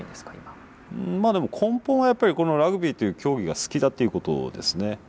まあでも根本はやっぱりこのラグビーという競技が好きだということですね。